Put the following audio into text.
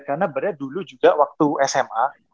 karena beneran dulu juga waktu sma